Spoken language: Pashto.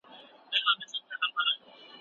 د ښوونکي ستاینه د زده کوونکي لپاره انعام دی.